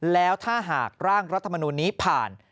แล้วถ้าหากร่างรัฐมนูลนี้ผ่าน